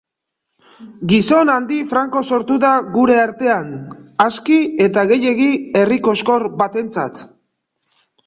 Gizon handi franko sortu da gure artean, aski eta gehiegi herri koxkor batentzat.